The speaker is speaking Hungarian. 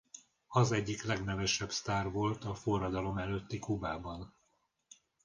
Az egyik legnevesebb sztár volt a forradalom előtti Kubában.